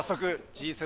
Ｇ７！